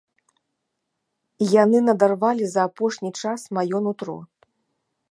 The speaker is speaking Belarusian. Яны надарвалі за апошні час маё нутро.